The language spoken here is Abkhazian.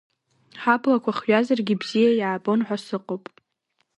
Ҳаблақәа хҩазаргьы бзиа иаабон ҳәа сыҟоуп.